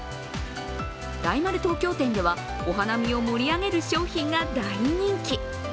大丸東京店では、お花見を盛り上げる商品が大人気。